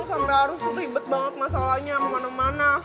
sampe harus ribet banget masalahnya kemana mana